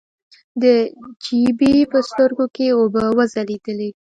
د نجيبې په سترګو کې اوبه وځلېدلې.